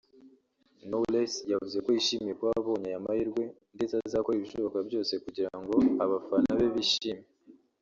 Knowless yavuze ko yishimiye kuba abonye aya mahirwe ndetse azakora ibishoboka byose kugira ngo abafana be bishime